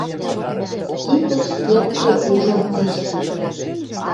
Титыч кердде ужын цишти